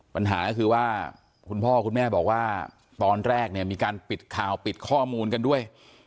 ปัญหาก็คือว่าคุณพ่อคุณแม่บอกว่าตอนแรกเนี่ยมีการปิดข่าวปิดข้อมูลกันด้วย